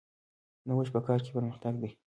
نوښت په کار کې پرمختګ دی